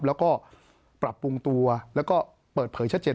แล้วก็ปรับปรุงตัวแล้วก็เปิดเผยชัดเจน